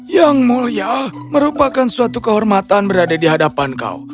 yang mulia merupakan suatu kehormatan berada di hadapan kau